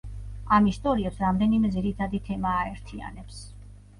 ამ ისტორიებს რამდენიმე ძირითადი თემა აერთიანებს.